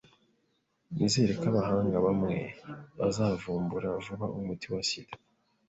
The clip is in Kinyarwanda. [S] Nizere ko abahanga bamwe bazavumbura vuba umuti wa sida.